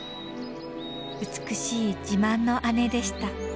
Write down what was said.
美しい自慢の姉でした。